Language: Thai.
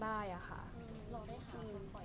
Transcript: เสียใจมากได้อ่ะค่ะ